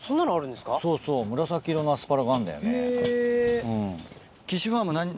そうそう紫色のアスパラがあるんだよね。